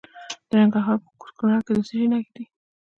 د ننګرهار په کوز کونړ کې د څه شي نښې دي؟